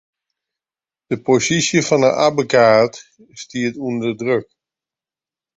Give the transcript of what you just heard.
De posysje fan 'e abbekaat stiet ûnder druk.